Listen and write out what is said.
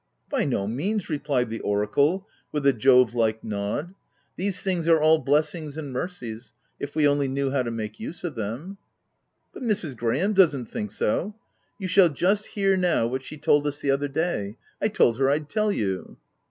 " By no means !" replied the oracle with a Jove like nod ;" these things are all blessings and mercies, if we only knew how to make use of them." " But Mrs. Graham doesn't think so. You shall just hear now, what she told us the other day— I told her I'd tell you.